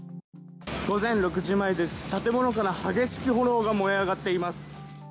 午前６時前です、建物から激しく炎が燃え上がっています。